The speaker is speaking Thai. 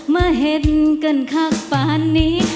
มาเห็นกันข้างป่านนี้